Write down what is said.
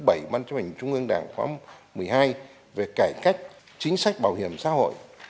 ban chính trị trung ương đảng khóa một mươi hai về cải cách chính sách bảo hiểm xã hội